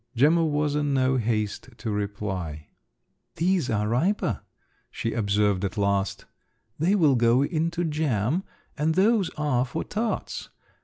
Gemma was in no haste to reply. "These are riper," she observed at last, "they will go into jam, and those are for tarts.